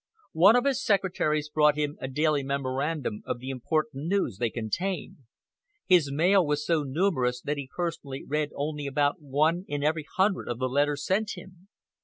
One of his secretaries brought him a daily memorandum of the important news they contained. His mail was so enormous that he personally read only about one in every hundred of the letters sent him.